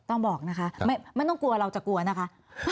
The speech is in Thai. ต้องบอกนะคะไม่ต้องกลัวเราจะกลัวนะคะ